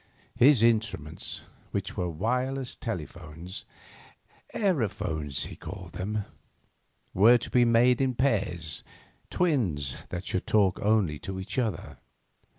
His instruments, which were wireless telephones—aerophones he called them—were to be made in pairs, twins that should talk only to each other.